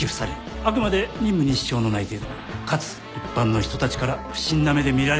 あくまで任務に支障のない程度にかつ一般の人たちから不審な目で見られないようにしてくれ。